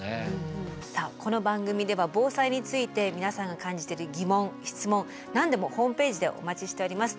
さあこの番組では防災について皆さんが感じてる疑問・質問何でもホームページでお待ちしております。